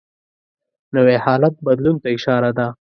نوی حالت بدلون ته اشاره ده